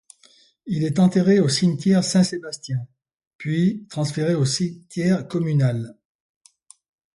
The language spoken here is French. Il est enterré au cimetière Saint-Sébastien, puis transféré au cimetière communal.